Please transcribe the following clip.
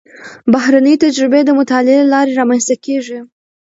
بهرنۍ تجربې د مطالعې له لارې رامنځته کېږي.